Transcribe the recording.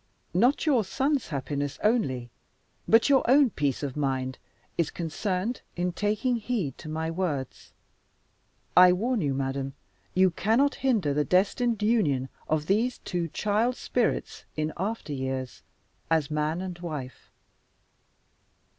Not your son's happiness only, but your own peace of mind, is concerned in taking heed to my words. I warn you, madam, you cannot hinder the destined union of these two child spirits, in after years, as man and wife.